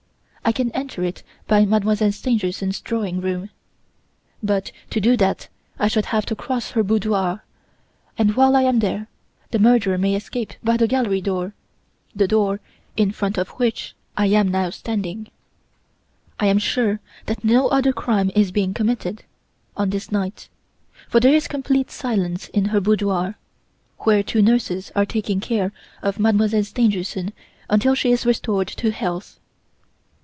I can enter it by Mademoiselle Stangerson's drawing room; but, to do that I should have to cross her boudoir; and while I am there, the murderer may escape by the gallery door the door in front of which I am now standing. "I am sure that no other crime is being committed, on this night; for there is complete silence in the boudoir, where two nurses are taking care of Mademoiselle Stangerson until she is restored to health.